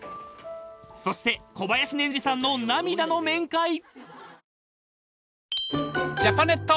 ［そして小林稔侍さんの涙の面会］